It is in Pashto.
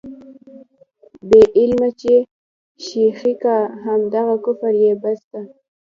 بې علمه چې شېخي کا، همدغه کفر یې بس دی.